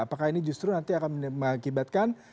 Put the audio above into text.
apakah ini justru nanti akan mengakibatkan